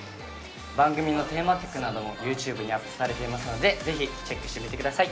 番組のテーマ曲などもＹｏｕＴｕｂｅにアップされていますのでぜひチェックしてみてください